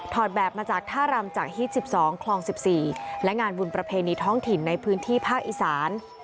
แบบมาจากท่ารำจากฮิต๑๒คลอง๑๔และงานบุญประเพณีท้องถิ่นในพื้นที่ภาคอีสาน